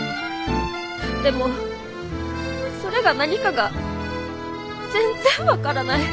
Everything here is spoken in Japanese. でもそれが何かが全然分からない。